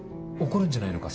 怒るんじゃないのか？